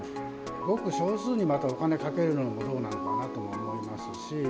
ごく少数にまたお金かけるのもどうなのかなと思いますし。